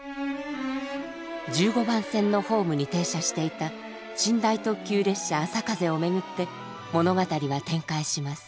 １５番線のホームに停車していた寝台特急列車「あさかぜ」をめぐって物語は展開します。